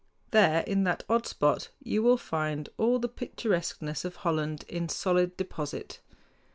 There in that odd spot you will find all the picturesqueness of Holland in solid deposit.